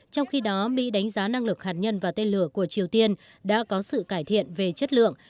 trong khi đó mỹ đánh giá năng lực hạt nhân và tên lửa của triều tiên đã có sự cải thiện về chất lượng